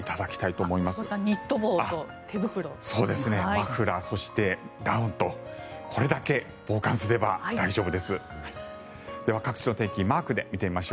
マフラー、そしてダウンとこれだけ防寒すれば大丈夫です。